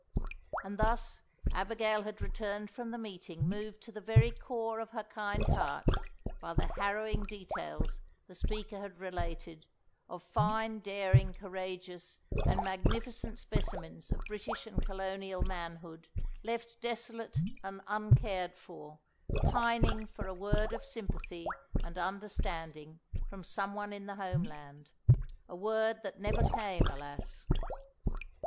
And thus, Abigail had returned from the meeting moved to the very core of her kind heart by the harrowing details the speaker had related of fine, daring, courageous, and magnificent specimens of British and Colonial manhood, left desolate and uncared for, pining for a word of sympathy and understanding from someone in the home land—a word that never came, alas!